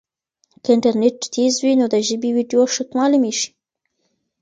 که انټرنیټ تېز وي نو د ژبې ویډیو ښه معلومېږي.